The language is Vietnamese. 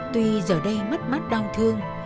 tuy giờ đây mắt mắt đau thương